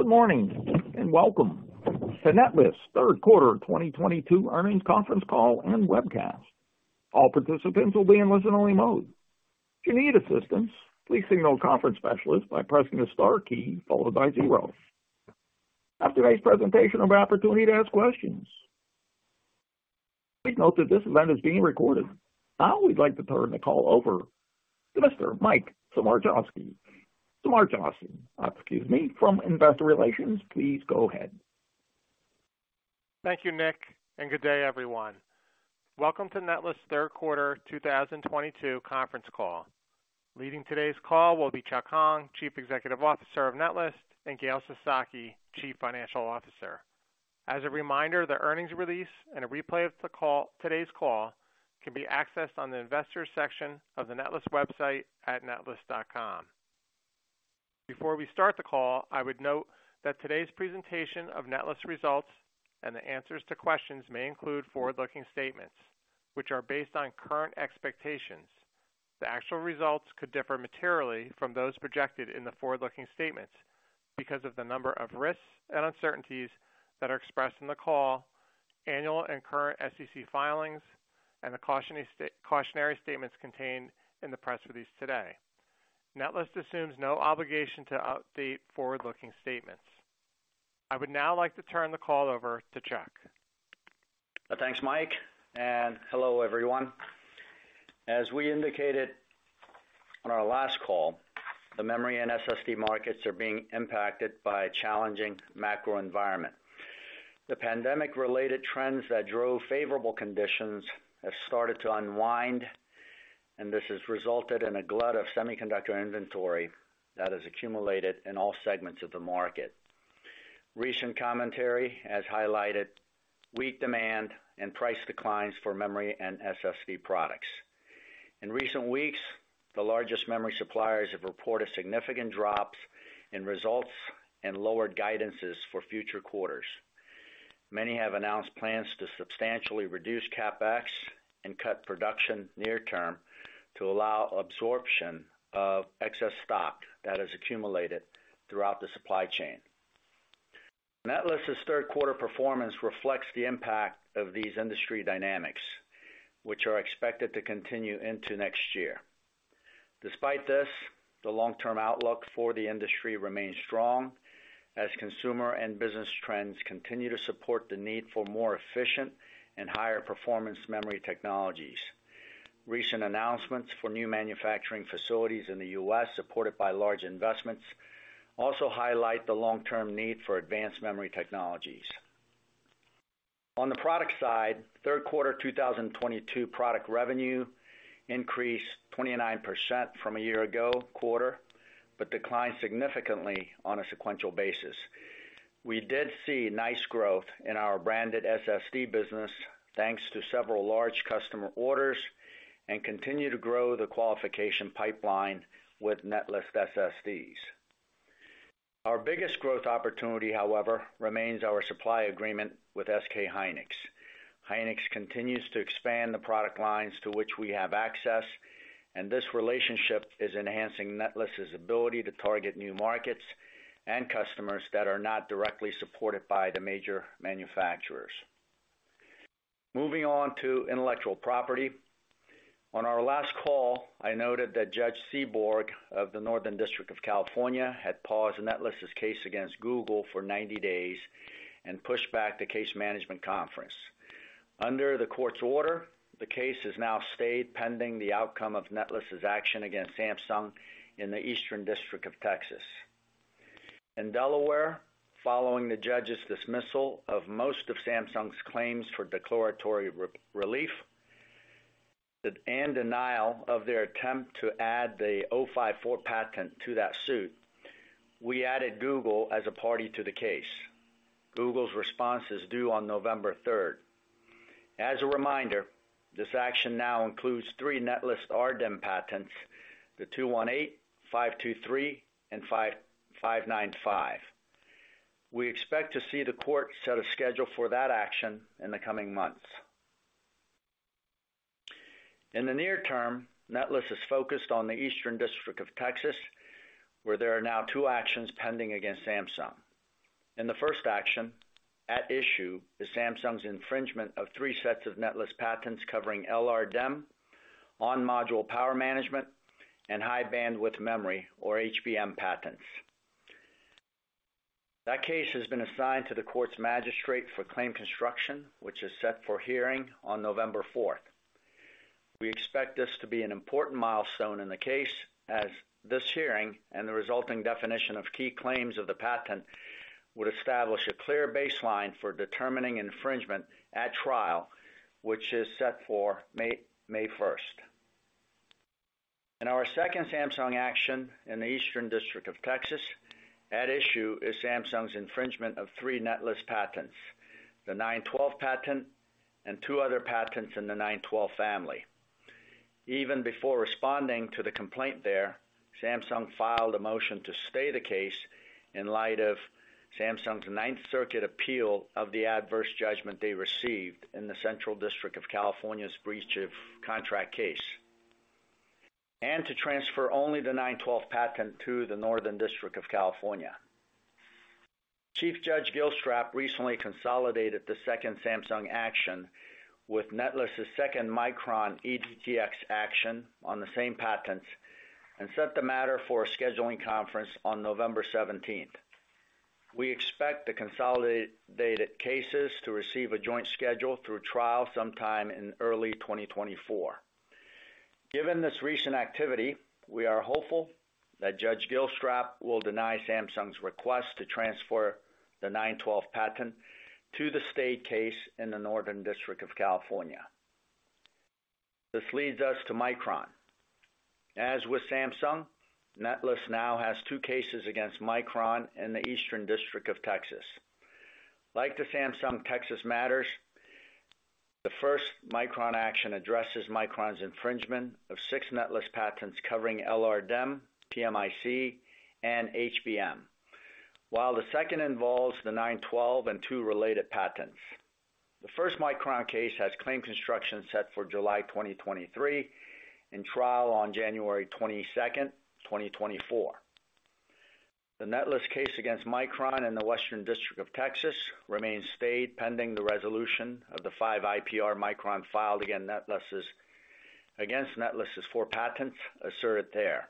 Good morning, and welcome to Netlist third quarter 2022 earnings conference call and webcast. All participants will be in listen-only mode. If you need assistance, please signal a conference specialist by pressing the star key followed by zero. After today's presentation, there will be opportunity to ask questions. Please note that this event is being recorded. Now we'd like to turn the call over to Mr. Mike Smargiassi from Investor Relations. Please go ahead. Thank you, Nick, and good day, everyone. Welcome to Netlist third quarter 2022 conference call. Leading today's call will be Chuck Hong, Chief Executive Officer of Netlist, and Gail Sasaki, Chief Financial Officer. As a reminder, the earnings release and a replay of the call. Today's call can be accessed on the investors section of the Netlist website at netlist.com. Before we start the call, I would note that today's presentation of Netlist results and the answers to questions may include forward-looking statements, which are based on current expectations. The actual results could differ materially from those projected in the forward-looking statements because of the number of risks and uncertainties that are expressed in the call, annual and current SEC filings, and the cautionary statements contained in the press release today. Netlist assumes no obligation to update forward-looking statements. I would now like to turn the call over to Chuck. Thanks, Mike, and hello, everyone. As we indicated on our last call, the memory and SSD markets are being impacted by a challenging macro environment. The pandemic-related trends that drove favorable conditions have started to unwind, and this has resulted in a glut of semiconductor inventory that has accumulated in all segments of the market. Recent commentary has highlighted weak demand and price declines for memory and SSD products. In recent weeks, the largest memory suppliers have reported significant drops in results and lowered guidances for future quarters. Many have announced plans to substantially reduce CapEx and cut production near term to allow absorption of excess stock that has accumulated throughout the supply chain. Netlist's third quarter performance reflects the impact of these industry dynamics, which are expected to continue into next year. Despite this, the long-term outlook for the industry remains strong as consumer and business trends continue to support the need for more efficient and higher-performance memory technologies. Recent announcements for new manufacturing facilities in the U.S., supported by large investments, also highlight the long-term need for advanced memory technologies. On the product side, third quarter 2022 product revenue increased 29% from a year-ago quarter, but declined significantly on a sequential basis. We did see nice growth in our branded SSD business, thanks to several large customer orders, and continue to grow the qualification pipeline with Netlist SSDs. Our biggest growth opportunity, however, remains our supply agreement with SK hynix. Hynix continues to expand the product lines to which we have access, and this relationship is enhancing Netlist's ability to target new markets and customers that are not directly supported by the major manufacturers. Moving on to intellectual property. On our last call, I noted that Judge Seeborg of the Northern District of California had paused Netlist's case against Google for 90 days and pushed back the case management conference. Under the court's order, the case is now stayed pending the outcome of Netlist's action against Samsung in the Eastern District of Texas. In Delaware, following the judge's dismissal of most of Samsung's claims for declaratory relief, and denial of their attempt to add the '054 patent to that suit, we added Google as a party to the case. Google's response is due on November third. As a reminder, this action now includes three Netlist RDIMM patents, the '218, '523, and '595. We expect to see the court set a schedule for that action in the coming months. In the near term, Netlist is focused on the Eastern District of Texas, where there are now two actions pending against Samsung. In the first action, at issue is Samsung's infringement of three sets of Netlist patents covering LRDIMM, on-module power management, and high-bandwidth memory, or HBM patents. That case has been assigned to the court's magistrate for claim construction, which is set for hearing on November fourth. We expect this to be an important milestone in the case, as this hearing and the resulting definition of key claims of the patent would establish a clear baseline for determining infringement at trial, which is set for May 1. In our second Samsung action in the Eastern District of Texas, at issue is Samsung's infringement of three Netlist patents, the '912 patent and two other patents in the '912 family. Even before responding to the complaint there, Samsung filed a motion to stay the case in light of Samsung's Ninth Circuit appeal of the adverse judgment they received in the Central District of California's breach of contract case. To transfer only the '912 patent to the Northern District of California. Chief Judge Gilstrap recently consolidated the second Samsung action with Netlist's second Micron ETX action on the same patents, and set the matter for a scheduling conference on November seventeenth. We expect the consolidated cases to receive a joint schedule through trial sometime in early 2024. Given this recent activity, we are hopeful that Judge Gilstrap will deny Samsung's request to transfer the '912 patent to the stayed case in the Northern District of California. This leads us to Micron. As with Samsung, Netlist now has two cases against Micron in the Eastern District of Texas. Like the Samsung Texas matters, the first Micron action addresses Micron's infringement of six Netlist patents covering LRDIMM, PMIC, and HBM. While the second involves the '912 and two related patents. The first Micron case has claim construction set for July 2023, and trial on January 22, 2024. The Netlist case against Micron in the Western District of Texas remains stayed pending the resolution of the five IPRs Micron filed against Netlist's four patents asserted there.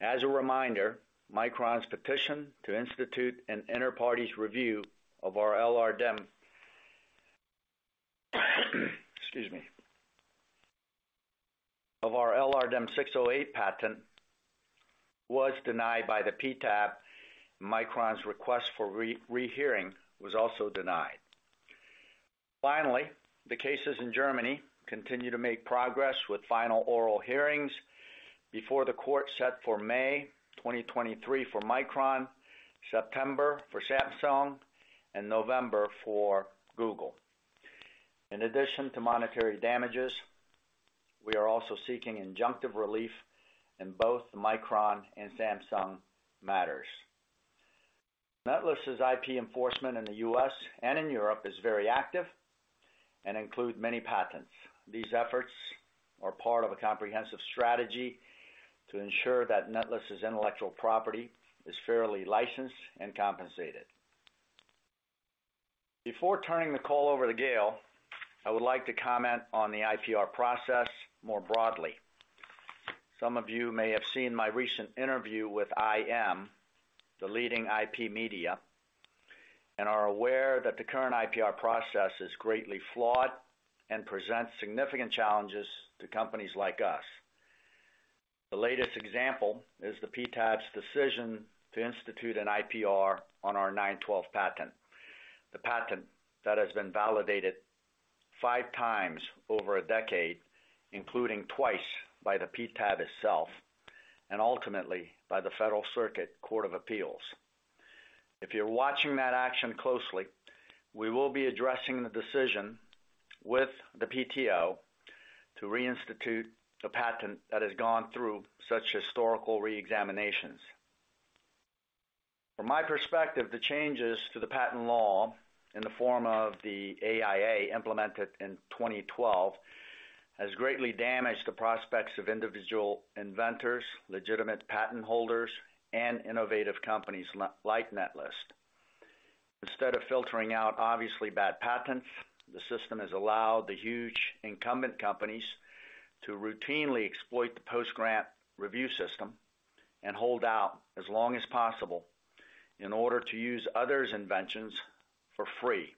As a reminder, Micron's petition to institute an inter partes review of our LRDIMM '608 patent was denied by the PTAB. Micron's request for rehearing was also denied. Finally, the cases in Germany continue to make progress with final oral hearings before the court set for May 2023 for Micron, September for Samsung, and November for Google. In addition to monetary damages, we are also seeking injunctive relief in both the Micron and Samsung matters. Netlist's IP enforcement in the U.S. and in Europe is very active and include many patents. These efforts are part of a comprehensive strategy to ensure that Netlist's intellectual property is fairly licensed and compensated. Before turning the call over to Gail, I would like to comment on the IPR process more broadly. Some of you may have seen my recent interview with IAM, the leading IP media, and are aware that the current IPR process is greatly flawed and presents significant challenges to companies like us. The latest example is the PTAB's decision to institute an IPR on our nine-twelve patent, the patent that has been validated five times over a decade, including twice by the PTAB itself, and ultimately by the Federal Circuit Court of Appeals. If you're watching that action closely, we will be addressing the decision with the PTO to reinstitute the patent that has gone through such historical re-examinations. From my perspective, the changes to the patent law in the form of the AIA, implemented in 2012, has greatly damaged the prospects of individual inventors, legitimate patent holders, and innovative companies like Netlist. Instead of filtering out obviously bad patents, the system has allowed the huge incumbent companies to routinely exploit the post-grant review system and hold out as long as possible in order to use others' inventions for free,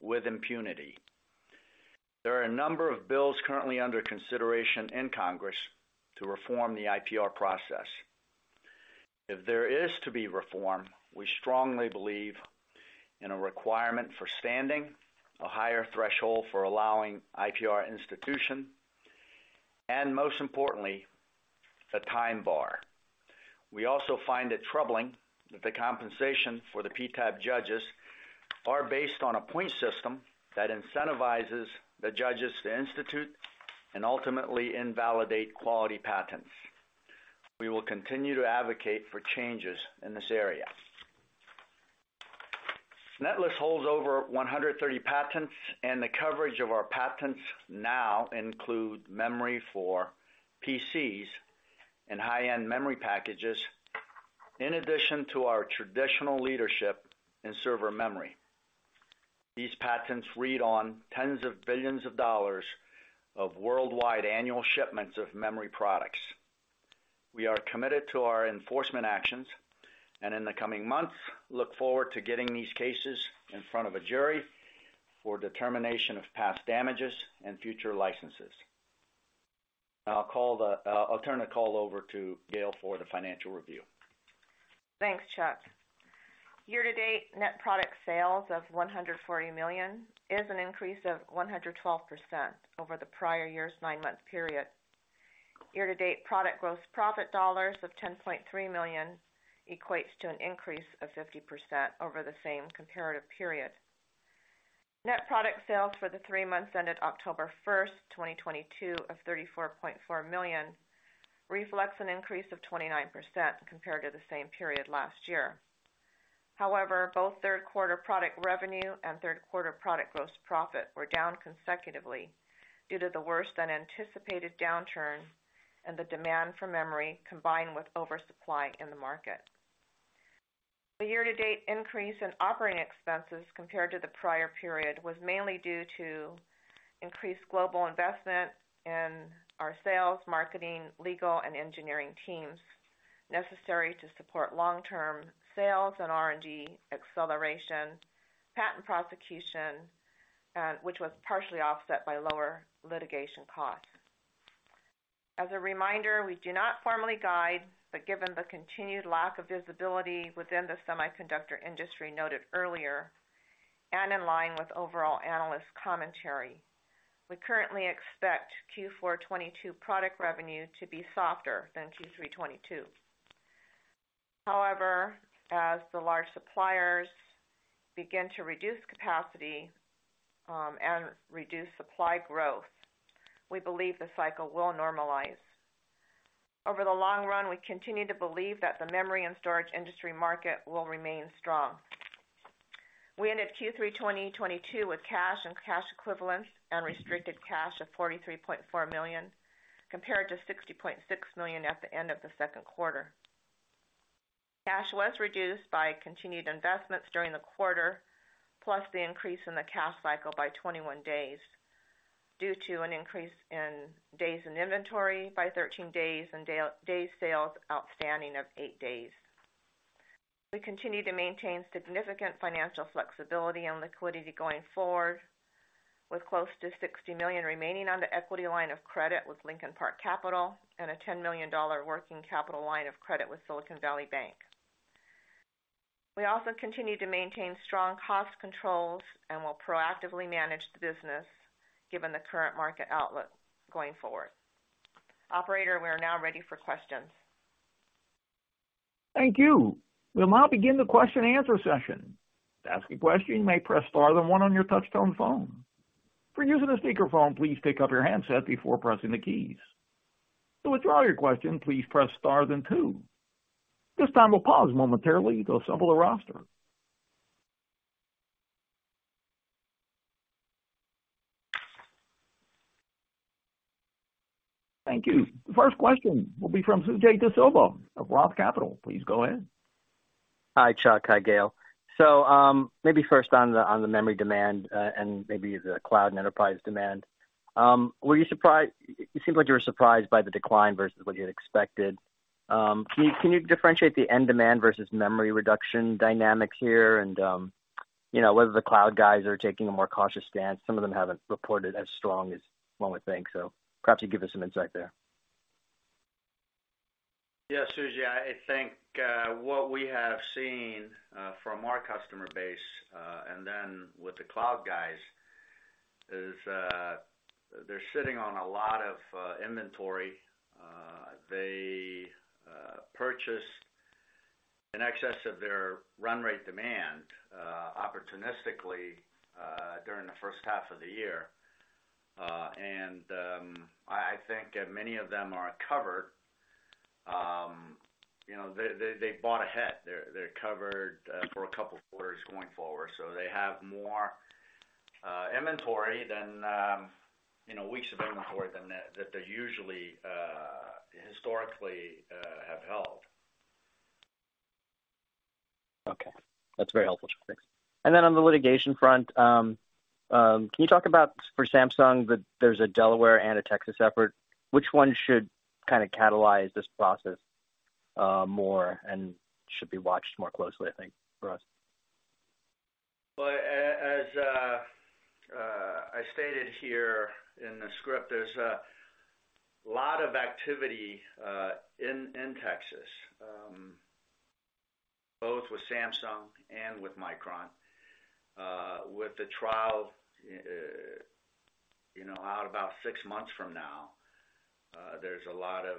with impunity. There are a number of bills currently under consideration in Congress to reform the IPR process. If there is to be reform, we strongly believe in a requirement for standing, a higher threshold for allowing IPR institution, and most importantly, a time bar. We also find it troubling that the compensation for the PTAB judges are based on a point system that incentivizes the judges to institute and ultimately invalidate quality patents. We will continue to advocate for changes in this area. Netlist holds over 130 patents, and the coverage of our patents now include memory for PCs and high-end memory packages, in addition to our traditional leadership in server memory. These patents read on tens of billions of dollars of worldwide annual shipments of memory products. We are committed to our enforcement actions, and in the coming months, look forward to getting these cases in front of a jury for determination of past damages and future licenses. I'll turn the call over to Gail for the financial review. Thanks, Chuck. Year-to-date net product sales of $140 million is an increase of 112% over the prior year's nine-month period. Year-to-date product gross profit dollars of $10.3 million equates to an increase of 50% over the same comparative period. Net product sales for the three months ended October 1, 2022, of $34.4 million reflects an increase of 29% compared to the same period last year. However, both third quarter product revenue and third quarter product gross profit were down consecutively due to the worse than anticipated downturn and the demand for memory combined with oversupply in the market. The year-to-date increase in operating expenses compared to the prior period was mainly due to increased global investment in our sales, marketing, legal, and engineering teams necessary to support long-term sales and R&D acceleration, patent prosecution, which was partially offset by lower litigation costs. As a reminder, we do not formally guide, but given the continued lack of visibility within the semiconductor industry noted earlier, and in line with overall analyst commentary, we currently expect Q4 2022 product revenue to be softer than Q3 2022. However, as the large suppliers begin to reduce capacity, and reduce supply growth, we believe the cycle will normalize. Over the long run, we continue to believe that the memory and storage industry market will remain strong. We ended Q3 2022 with cash and cash equivalents and restricted cash of $43.4 million, compared to $60.6 million at the end of the second quarter. Cash was reduced by continued investments during the quarter, plus the increase in the cash cycle by 21 days due to an increase in days in inventory by 13 days and days sales outstanding of 8 days. We continue to maintain significant financial flexibility and liquidity going forward, with close to $60 million remaining on the equity line of credit with Lincoln Park Capital and a $10 million working capital line of credit with Silicon Valley Bank. We also continue to maintain strong cost controls and will proactively manage the business given the current market outlook going forward. Operator, we are now ready for questions. Thank you. We'll now begin the question and answer session. To ask a question, you may press star then one on your touchtone phone. If you're using a speakerphone, please pick up your handset before pressing the keys. To withdraw your question, please press star then two. This time we'll pause momentarily to assemble a roster. Thank you. The first question will be from Suji Desilva of Roth Capital. Please go ahead. Hi, Chuck. Hi, Gail. Maybe first on the memory demand and maybe the cloud and enterprise demand. Were you surprised by the decline versus what you had expected? It seems like you were surprised. Can you differentiate the end demand versus memory reduction dynamics here and whether the cloud guys are taking a more cautious stance? Some of them haven't reported as strong as one would think. Perhaps you can give us some insight there. Yeah, Suji, I think what we have seen from our customer base and then with the cloud guys is they're sitting on a lot of inventory. They purchased in excess of their run rate demand opportunistically during the first half of the year. I think many of them are covered. You know, they bought ahead. They're covered for a couple of quarters going forward. They have more, you know, weeks of inventory than that they usually historically have held. Okay. That's very helpful, Chuck. Thanks. Then on the litigation front, can you talk about for Samsung, there's a Delaware and a Texas effort, which one should kind of catalyze this process, more and should be watched more closely, I think, for us? Well, I stated here in the script, there's a lot of activity in Texas both with Samsung and with Micron. With the trial, you know, out about six months from now, there's a lot of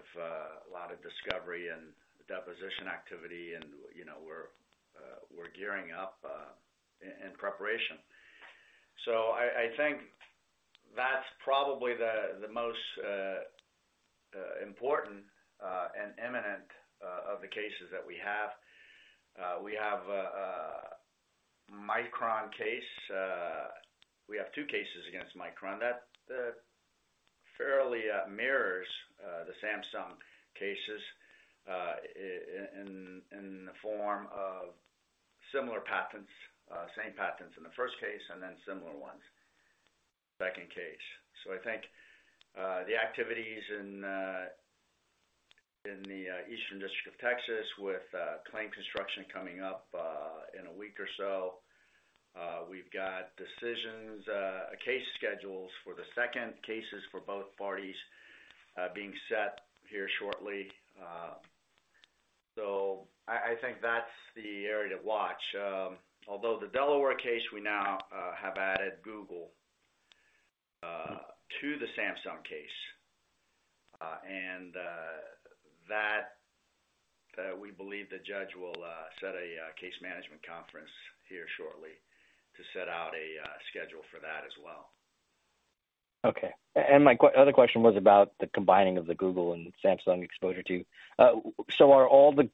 discovery and deposition activity and, you know, we're gearing up in preparation. I think that's probably the most important and imminent of the cases that we have. We have a Micron case. We have two cases against Micron that fairly mirrors the Samsung cases in the form of similar patents, same patents in the first case, and then similar ones, second case. I think the activities in the Eastern District of Texas with claim construction coming up in a week or so. We've got decisions, case schedules for the second cases for both parties being set here shortly. I think that's the area to watch. Although the Delaware case, we now have added Google to the Samsung case, and that we believe the judge will set a case management conference here shortly to set out a schedule for that as well. Okay. Other question was about the combining of the Google and Samsung exposure too. Are all the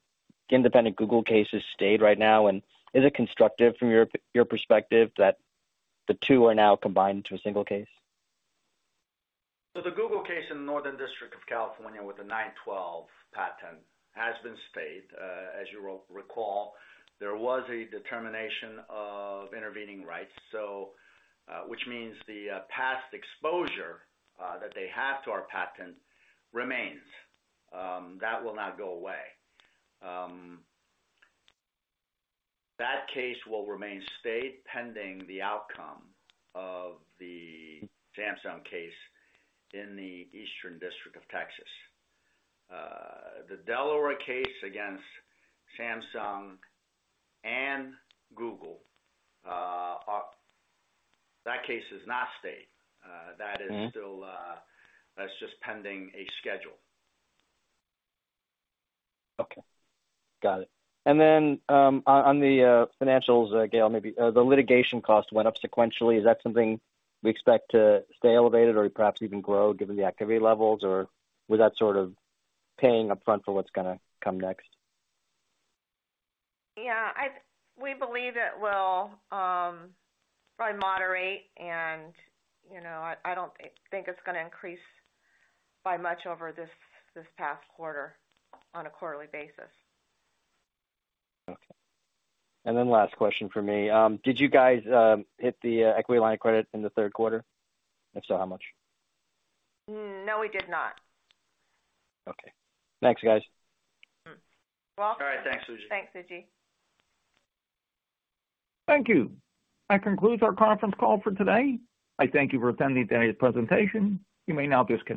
independent Google cases stayed right now? And is it constructive from your perspective that the two are now combined into a single case? The Google case in the Northern District of California with the '912 patent has been stayed. As you will recall, there was a determination of intervening rights, which means the past exposure that they have to our patent remains. That will not go away. That case will remain stayed pending the outcome of the Samsung case in the Eastern District of Texas. The Delaware case against Samsung and Google, that case is not stayed. That is still, that's just pending a schedule. Okay, got it. On the financials, Gail, maybe the litigation costs went up sequentially. Is that something we expect to stay elevated or perhaps even grow given the activity levels? Or was that sort of paying upfront for what's gonna come next? Yeah, we believe it will probably moderate and, you know, I don't think it's gonna increase by much over this past quarter on a quarterly basis. Okay. Last question for me. Did you guys hit the equity line credit in the third quarter? If so, how much? No, we did not. Okay. Thanks, guys. You're welcome. All right. Thanks, Suji. Thanks, Suji. Thank you. That concludes our conference call for today. I thank you for attending today's presentation. You may now disconnect.